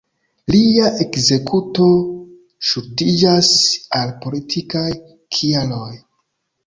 Lia ekzekuto ŝuldiĝas al politikaj kialoj.